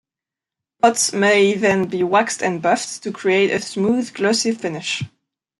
Pots may then be waxed and buffed to create a smooth glossy finish.